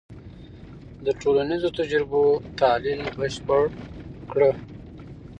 د ټولنیزو تجربو تحلیل بشپړ کړه.